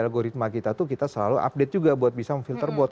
algoritma kita tuh kita selalu update juga buat bisa memfilter bot